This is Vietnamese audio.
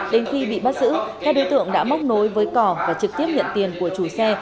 đến khi bị bắt giữ các đối tượng đã móc nối với cỏ và trực tiếp nhận tiền của chủ xe